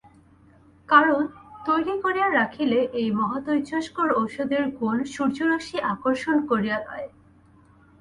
কারণ, তৈরি করিয়া রাখিলে এই মহাতেজস্কর ঔষধের গুণ সূর্যরশ্মি আকর্ষণ করিয়া লয়।